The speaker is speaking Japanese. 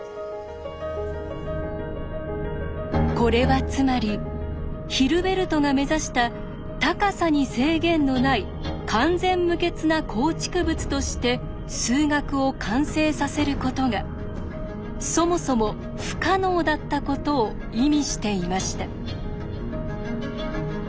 これはつまりヒルベルトが目指した高さに制限のない完全無欠な構築物として数学を完成させることがそもそも不可能だったことを意味していました。